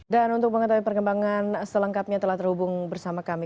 dan untuk mengatakan perkembangan selengkapnya telah terhubung bersama kami